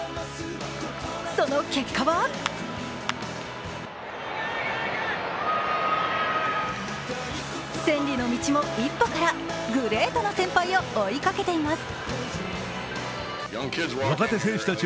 その結果は千里の道も一歩からグレートな先輩を追いかけています。